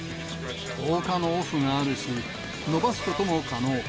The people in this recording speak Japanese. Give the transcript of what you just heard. １０日のオフがあるし、延ばすことも可能。